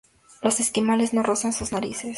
Los esquimales no rozan sus narices.